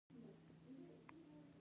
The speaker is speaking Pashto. د میوو تولید ملي ویاړ دی.